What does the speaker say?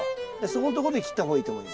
そこんとこで切った方がいいと思います。